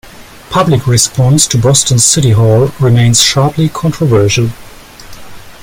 Public response to Boston City Hall remains sharply controversial.